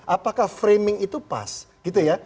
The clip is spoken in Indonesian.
apakah framing itu pas gitu ya